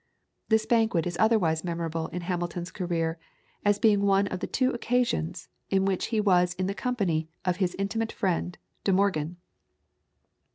This banquet is otherwise memorable in Hamilton's career as being one of the two occasions in which he was in the company of his intimate friend De Morgan.